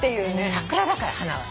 桜だから花は。